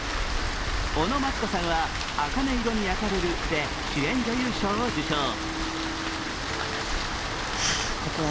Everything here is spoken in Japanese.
尾野真千子さんは「茜色に焼かれる」で主演女優賞を受賞。